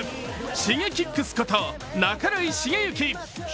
Ｓｈｉｇｅｋｉｘこと半井重幸。